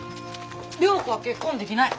良子は結婚できない。